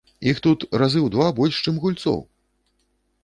Іх тут у разы два больш, чым гульцоў!